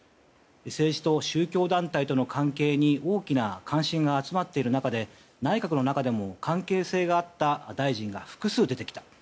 政治と宗教団体との関係に大きな関心が集まっている中で内閣の中でも関係性があった大臣が複数出てきた。